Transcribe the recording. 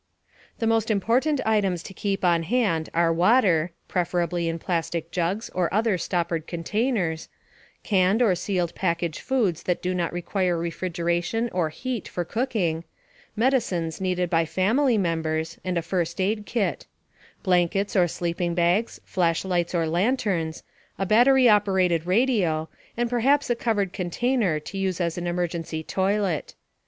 The most important items to keep on hand are water (preferably in plastic jugs or other stoppered containers); canned or sealed package foods that do not require refrigeration or heat for cooking; medicines needed by family members, and a first aid kit; blankets or sleeping bags; flashlights or lanterns; a battery powered radio; and perhaps a covered container to use as an emergency toilet.